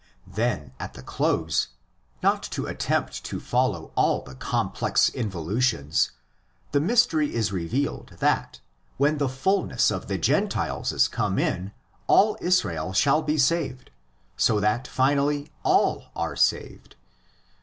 Then at the close— not to attempt to follow all the complex involutions— the mystery is revealed that, when the fulness of the Gentiles is come in, all Israel shall be saved; so that finally all are saved (xi.